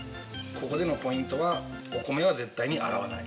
ここでのポイントはお米は絶対に洗わない。